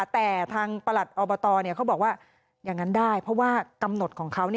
แต่ทางประหลัดอบตเขาบอกว่าอย่างนั้นได้เพราะว่ากำหนดของเขา